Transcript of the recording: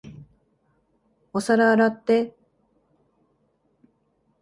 お皿洗って。